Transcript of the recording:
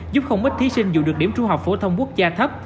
giúp không ít thí sinh dù được điểm trung học phổ thông quốc gia thấp